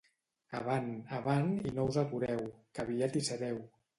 Avant, avant i no us atureu, que aviat i sereu.